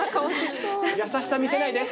やさしさ見せないで！